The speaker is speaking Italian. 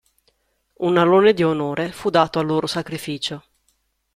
Un alone di onore fu dato al loro sacrificio.